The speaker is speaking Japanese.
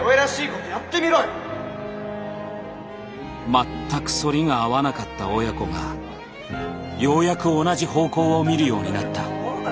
全く反りが合わなかった親子がようやく同じ方向を見るようになった。